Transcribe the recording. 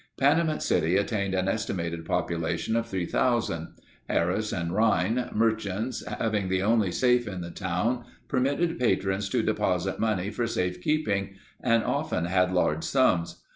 Panamint City attained an estimated population of 3,000. Harris and Rhine, merchants, having the only safe in the town permitted patrons to deposit money for safe keeping and often had large sums.